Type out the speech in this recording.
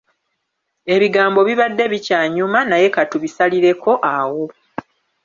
Ebigambo bibadde bikyanyuma naye ka tubisalireko awo.